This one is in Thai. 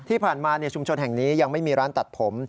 ที่ผ่านมาชุมชนแห่งนี้ยังไม่มีร้านตัดผม